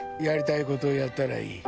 やりたいことやったらいい。